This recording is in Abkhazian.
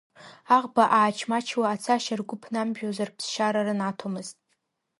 Аӷба аач-маачуа ацашьа ргәы ԥнамжәозар, ԥсшьара рнаҭомызт.